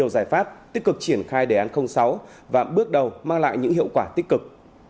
giải pháp tích cực triển khai đề án sáu và bước đầu mang lại những hiệu quả tích cực